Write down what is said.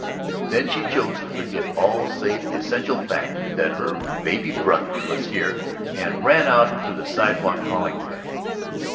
..." Then she chose to forget all save the essential fact that her "baby brother" was here and ran out to the sidewalk, calling to him.